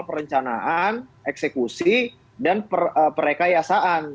perencanaan eksekusi dan perkayasaan